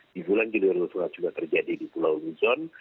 di bulan juli juli juga terjadi di pulau luzon